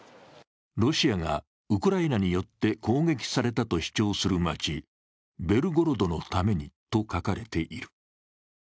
ロシアがウクライナによって攻撃されたと主張する町、「ベルゴロドのために」と書かれている。